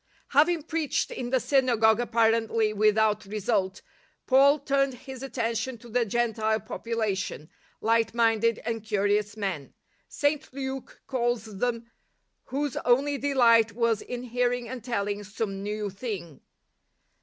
Flaving preached in the synagogue^ appar ently without result^ Paul turned his attention to the Gentile population —" light minded and curious men," St. Luke calls them, " whose only delight was in hearing and telling some new thing."